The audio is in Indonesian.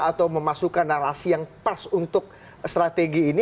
atau memasukkan narasi yang pas untuk strategi ini